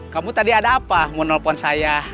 kamu tadi ada apa mau nelfon saya